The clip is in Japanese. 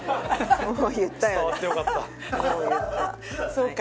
そうか。